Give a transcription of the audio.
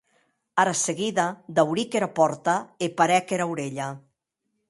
Ara seguida dauric era pòrta e parèc era aurelha.